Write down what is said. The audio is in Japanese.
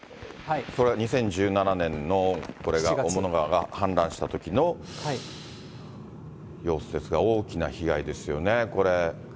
それは２０１７年の雄物川が氾濫したときの様子ですが、大きな被害ですよね、これ。